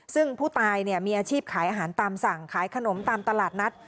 ซึ่งผู้ตายมีอาชีพขายอาหารตามสั่งขายขนมตามตลาดนัด